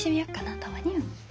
たまには。